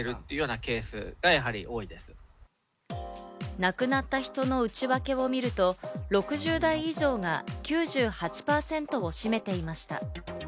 亡くなった人の内訳をみると、６０代以上が９８％を占めていました。